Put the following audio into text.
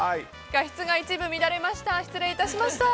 画質が一部乱れました。